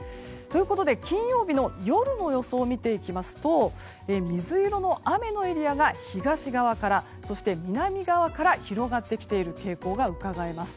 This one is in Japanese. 金曜日の夜の予想を見ていきますと水色の雨のエリアが東側からそして、南側から広がってきている傾向がうかがえます。